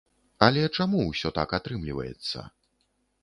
Але чаму ўсё так атрымліваецца?